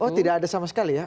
oh tidak ada sama sekali ya